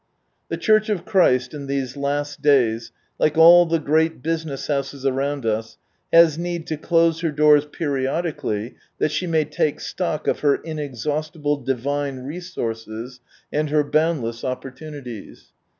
The Church of Christ in these last days, like all the great business houses around us, has need to close her doors periodically that she may take stock of her inexhaustible divine resources and her boundless opportunities.